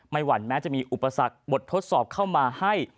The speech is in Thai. หวั่นแม้จะมีอุปสรรคบททดสอบเข้ามาให้